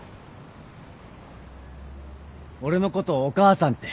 俺のことお母さんって。